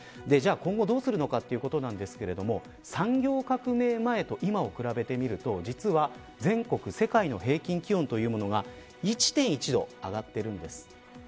じゃあ今後どうするのかというところですが産業革命前と今を比べてみると実は全国世界の平均気温が１．１度上がっているんです。